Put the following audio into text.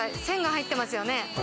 線が入ってますよね？